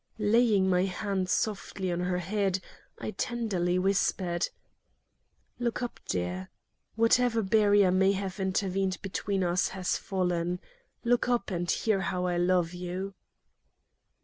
Laying my hand softly on her head, I tenderly whispered: "Look up, dear. Whatever barrier may have intervened between us has fallen. Look up and hear how I love you."